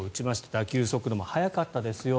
打球速度も速かったですよ。